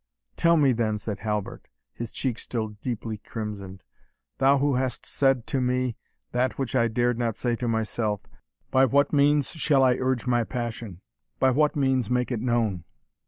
"Tell me, then," said Halbert, his cheek still deeply crimsoned, "thou who hast said to me that which I dared not say to myself, by what means shall I urge my passion by what means make it known?"